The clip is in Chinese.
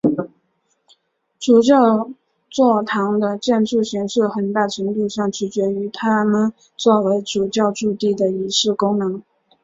主教座堂的建筑形式很大程度上取决于它们作为主教驻地的仪式功能。